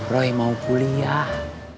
roy mau kuliah